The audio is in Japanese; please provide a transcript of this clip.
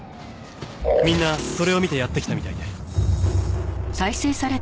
みんなそれを見てやって来たみたいで。